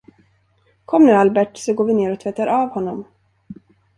Kom nu, Albert, så går vi ner och tvättar av honom!